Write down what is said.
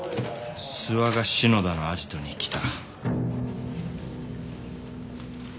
諏訪が篠田のアジトに来た。